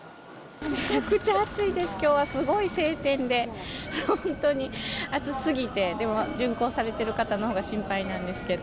めちゃくちゃ暑いです、きょうはすごい晴天で、本当に暑すぎて、でも巡行されている方のほうが心配なんですけど。